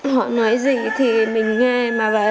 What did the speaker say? họ nói gì thì mình nghe